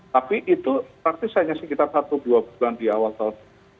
tapi itu praktis hanya sekitar satu dua bulan di awal tahun dua ribu dua